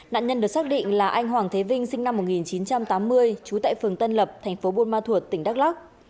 nạn nhân được xác định là anh hoàng thế vinh sinh năm một nghìn chín trăm tám mươi trú tại phường tân lập thành phố buôn ma thuột tỉnh đắk lắc